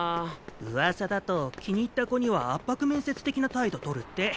うわさだと気に入った子には圧迫面接的な態度とるって。